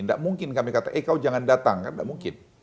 tidak mungkin kami kata eh kau jangan datang kan tidak mungkin